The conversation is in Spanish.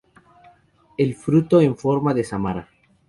El fruto en forma de samara.